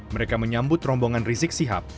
mereka menyambut rombongan rizik sihab